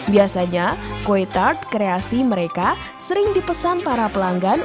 biasanya kue tart kreasi mereka sering dipesan para pelanggan